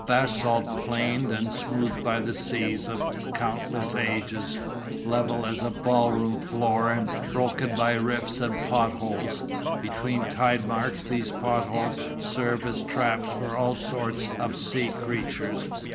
Basalt planed and smoothed by the seas of countless ages, level as a ball room floor and broken by rifts and pot holes, between tide marks these pot holes serve as traps for all sorts of sea creatures.